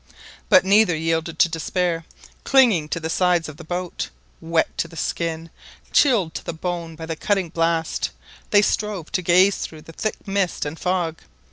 But neither yielded to despair; clinging to the sides of the boat, wet to the skin, chilled to the bone by the cutting blast, they strove to gaze through the thick mist and fog.